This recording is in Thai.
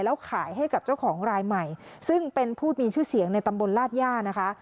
แล้วขายให้กับเจ้าของรายใหม่ซึ่งเป็นผู้มีชื่อเสียงในตำบลลาดย่านะคะ